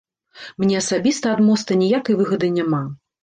Мне асабіста ад моста ніякай выгады няма.